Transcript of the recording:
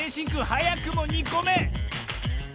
はやくも２こめ！